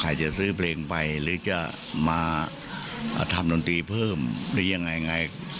จะซื้อเพลงไปหรือจะมาทำดนตรีเพิ่มหรือยังไง